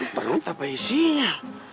itu perut apa isinya